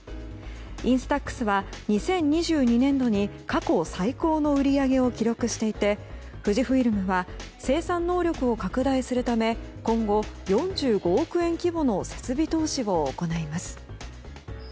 ＩＮＳＴＡＸは２０２２年度に過去最高の売り上げを記録していて富士フイルムは生産能力を拡大するため今後４５億円規模の設備投資を行います。